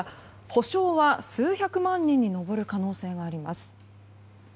補償は数百万人に上る可能性があります。